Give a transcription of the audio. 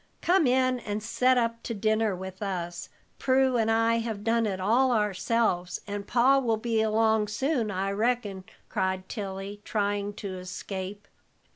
"Come in and set up to dinner with us. Prue and I have done it all ourselves, and Pa will be along soon, I reckon," cried Tilly, trying to escape.